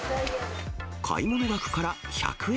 買い物額から１００円